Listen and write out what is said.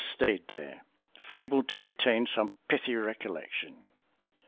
stayed there, fabled to retain some pithy recollection.